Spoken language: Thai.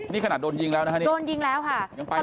นี่ขนาดโดนยิงแล้วนะครับนี่ยังไปต่อโดนยิงแล้วค่ะ